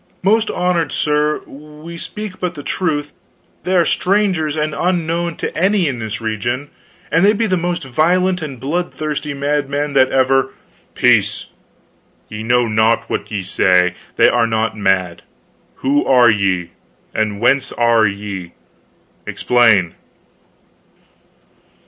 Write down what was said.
"Most honored sir, we speak but the truth. They are strangers and unknown to any in this region; and they be the most violent and bloodthirsty madmen that ever " "Peace! Ye know not what ye say. They are not mad. Who are ye? And whence are ye? Explain."